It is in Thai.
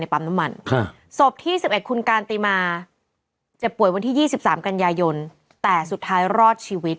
แล้วปราสินทร์ของทุกคนที่เลยรอดชีวิต